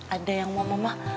ada yang mau mama